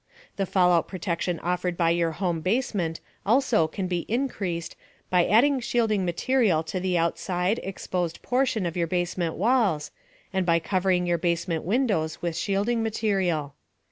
The fallout protection offered by your home basement also can be increased by adding shielding material to the outside, exposed portion of your basement walls, and by covering your basement windows with shielding material.